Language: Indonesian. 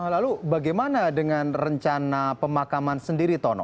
lalu bagaimana dengan rencana pemakaman sendiri tono